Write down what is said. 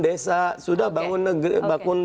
desa sudah bangun